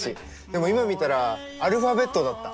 でも今見たらアルファベットだった。